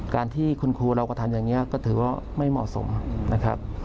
การที่คุณครูเรากระทำอย่างนี้ก็ถือว่าไม่เหมาะสมนะครับ